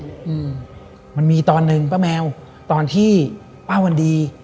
อืมมันมีตอนหนึ่งป้าแมวตอนที่ป้าวันดี